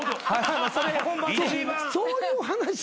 そういう話なの？